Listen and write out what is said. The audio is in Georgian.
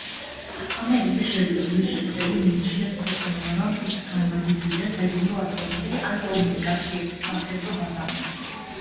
ამერიკის შეერთებული შტატები მიიჩნევს, რომ იქ განლაგებულია საიდუმლო ატომური ან კომუნიკაციების სამხედრო ბაზა.